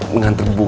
mengantar bu guru ya